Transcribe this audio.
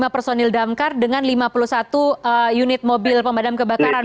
dua ratus lima puluh lima personil damkar dengan lima puluh satu unit mobil pemadam kebakaran pak